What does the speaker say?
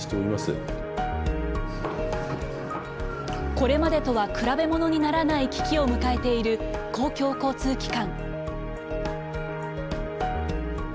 これまでとは比べ物にならない危機を迎えている公共交通機関。